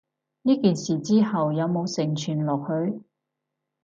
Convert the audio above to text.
呢件事之後有無承傳落去？